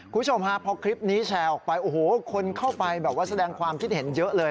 คุณผู้ชมฮะพอคลิปนี้แชร์ออกไปโอ้โหคนเข้าไปแบบว่าแสดงความคิดเห็นเยอะเลย